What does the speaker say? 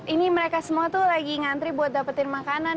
ini mereka semua tuh lagi ngantri buat dapetin makanan